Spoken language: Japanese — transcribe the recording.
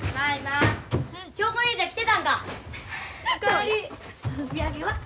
お土産は？